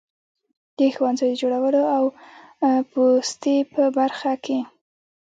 د ښوونځیو د جوړولو او پوستې په برخه کې.